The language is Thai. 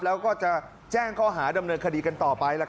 แล้วก็จะแจ้งข้อหาดำเนินคดีกันต่อไป